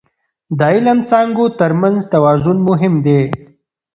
د علم څانګو ترمنځ توازن مهم دی.